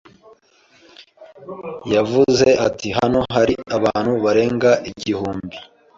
Yavuze ati Hano hari abantu barenga igihumbi